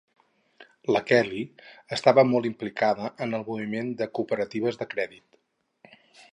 La Kelly estava molt implicada en el moviment de cooperatives de crèdit.